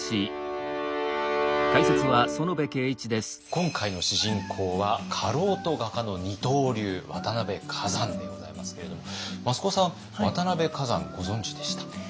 今回の主人公は家老と画家の二刀流渡辺崋山でございますけれども益子さん渡辺崋山ご存じでした？